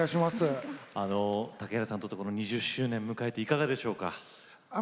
竹原さんにとって２０周年を迎えていかがでしょうか？